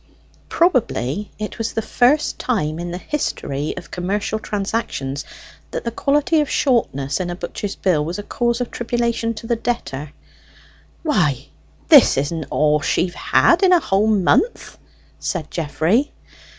Probably it was the first time in the history of commercial transactions that the quality of shortness in a butcher's bill was a cause of tribulation to the debtor. "Why, this isn't all she've had in a whole month!" said Geoffrey.